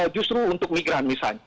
justru untuk migran misalnya